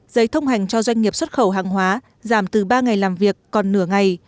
giấy thông hành cho doanh nghiệp xuất khẩu hàng hóa giảm từ ba ngày làm việc còn nửa ngày